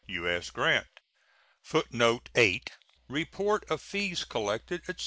U.S. GRANT. [Footnote 8: Report of fees collected, etc.